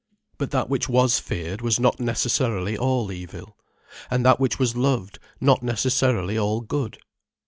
But that which was feared was not necessarily all evil, and that which was loved not necessarily all good.